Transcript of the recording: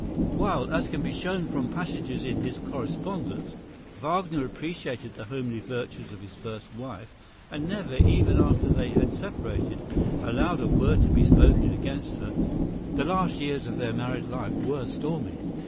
While, as can be shown from passages in his correspondence, Wagner appreciated the homely virtues of his first wife, and never, even after they had separated, allowed a word to be spoken against her, the last years of their married life were stormy.